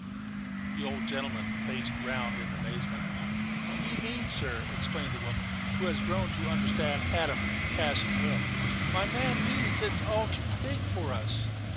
The old gentleman faced round in amazement. "He means, sir," explained the woman, who had grown to understand Adam passing well, "my man means that it's all too big for us.